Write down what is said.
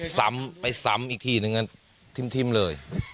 ซ้ำไปซ้ำอีกทีนึงทิ่มเลย